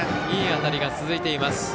いい当たりが続いています